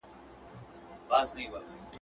o پاک اوسه، بې باک اوسه.